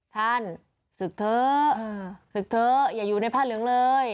ท่านศึกเถอะศึกเถอะอย่าอยู่ในผ้าเหลืองเลย